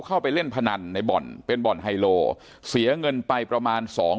เข้าไปเล่นพนันในบ่อนเป็นบ่อนไฮโลเสียเงินไปประมาณสอง